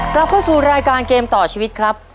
กลับเข้าสู่รายการเกมต่อชีวิตครับ